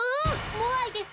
モアイです！